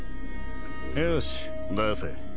よし出せ。